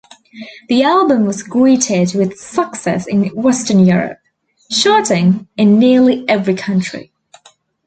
The album was greeted with success in western Europe, charting in nearly every country.